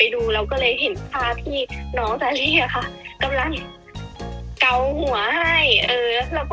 ถึงใจนะคะ